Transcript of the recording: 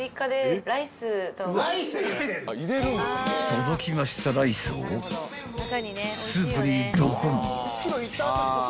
［届きましたライスをスープにドボン］